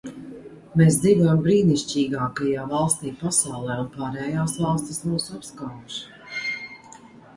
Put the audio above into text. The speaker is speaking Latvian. Mēs dzīvojam brīnišķīgākajā valstī pasaulē, un pārējās valstis mūs apskauž.